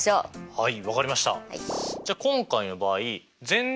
はい。